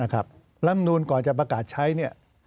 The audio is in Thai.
ลำนูนก่อนจะประกาศใช้